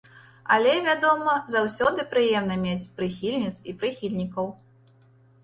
Але, вядома, заўсёды прыемна мець прыхільніц і прыхільнікаў!